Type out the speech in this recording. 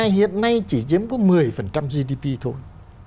hiện nay chỉ chiếm có một mươi gdp thôi